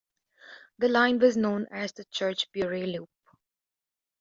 The line was known as the Churchbury Loop.